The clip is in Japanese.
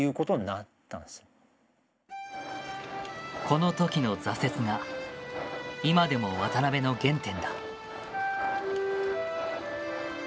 この時の挫折が今でも渡辺の原点だ。